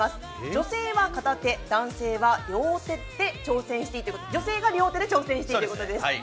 女性は両手、男性は片手で挑戦していいということです。